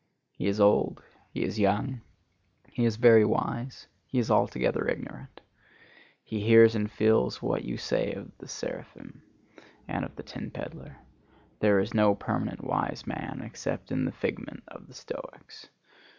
He is old, he is young, he is very wise, he is altogether ignorant. He hears and feels what you say of the seraphim, and of the tin peddler. There is no permanent wise man except in the figment of the Stoics.